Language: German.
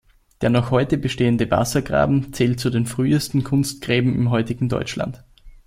Der noch heute bestehende Wassergraben zählt zu den frühesten Kunstgräben im heutigen Deutschland.